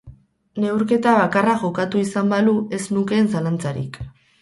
Neurketa bakarra jokatu izan balu, ez nukeen zalantzarik.